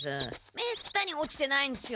めったに落ちてないんですよ。